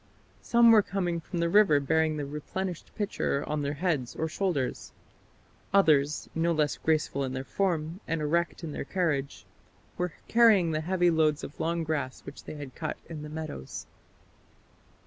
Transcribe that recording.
Some were coming from the river bearing the replenished pitcher on their heads or shoulders; others, no less graceful in their form, and erect in their carriage, were carrying the heavy loads of long grass which they had cut in the meadows."